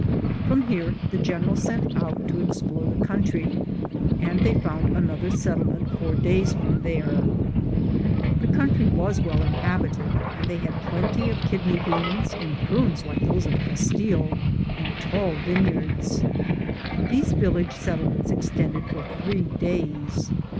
From here the general sent out to explore the country, and they found another settle ment fourdays from there 1 ... The coun try was well inhabited, and they had plenty of kidney beans and prunes like those of Castile, and tall vineyards. These village settlements extended for three days.